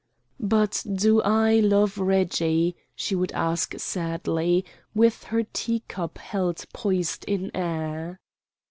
"But do I love Reggie?" she would ask sadly, with her tea cup held poised in air.